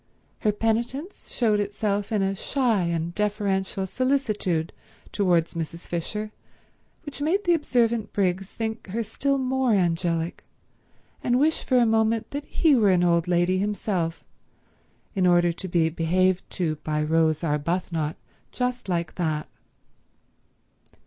Her penitence showed itself in a shy and deferential solicitude towards Mrs. Fisher which made the observant Briggs think her still more angelic, and wish for a moment that he were an old lady himself in order to be behaved to by Rose Arbuthnot just like that.